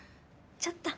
ちょっと。